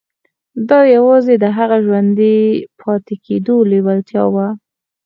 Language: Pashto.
دا يوازې د هغه د ژوندي پاتې کېدو لېوالتیا وه.